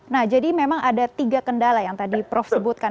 nah jadi memang ada tiga kendala yang tadi prof sebutkan